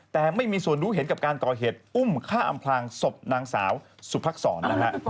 แต่ไม่มีส่วนรู้เห็นกับการก่อเหตุอุ้มฆ่าอำพลางศพนางสาวสุภักษรนะฮะ